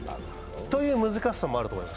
という難しさもあると思います。